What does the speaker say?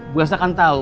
bu elsa kan tahu